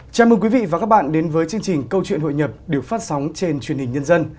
chào mừng quý vị và các bạn đến với chương trình câu chuyện hội nhập được phát sóng trên truyền hình nhân dân